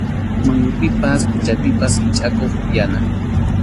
Mayupipas quchapipas hichʼakuq upyana.